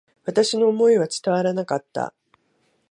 私の思いは伝わらなかった。